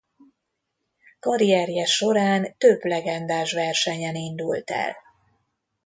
Karrierje során több legendás versenyen indult el.